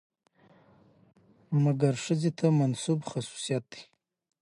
مکر ښځې ته منسوب خصوصيت دى.